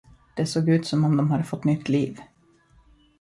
Det såg ut som om de hade fått nytt liv.